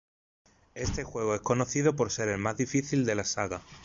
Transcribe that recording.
Este juego es conocido por ser el más difícil de la saga.